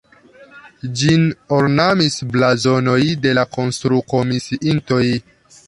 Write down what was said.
Ĝin ornamis blazonoj de la konstrukomisiintoj.